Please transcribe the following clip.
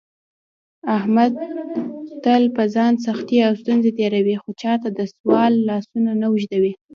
احمد تل په ځان سختې او ستونزې تېروي، خو چاته دسوال لاسونه نه اوږدوي.